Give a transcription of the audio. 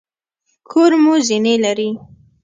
کور مو زینې لري؟